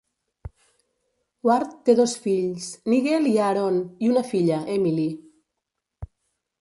Ward té dos fills, Nigel i Aaron, i una filla, Emily.